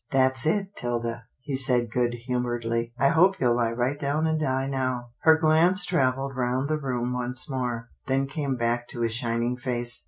That's it, 'Tilda," he said good humouredly. " I hope you'll lie right down and die now." Her glance travelled round the room once more, then came back to his shining face.